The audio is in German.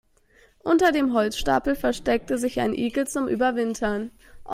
Unter dem Holzstapel versteckte sich ein Igel zum Überwintern.